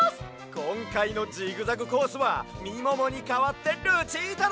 こんかいのジグザグコースはみももにかわってルチータだ！